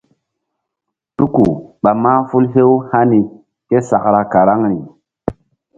Tuku ɓa mahful hew hani késakra karaŋri.